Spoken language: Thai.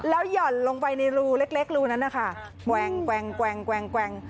แล้วย่อนลงไปในรูเล็กรูนั้นนะคะแกวงแกวงแกวงแกวง